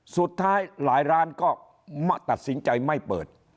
สุดท้ายหลายร้านก็มาตัดสินใจไม่เปิด